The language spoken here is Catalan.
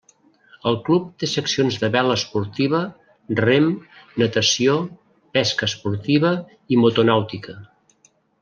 El club té seccions de vela esportiva, rem, natació, pesca esportiva i motonàutica.